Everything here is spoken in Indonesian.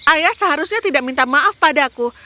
ayah seharusnya tidak minta maaf padaku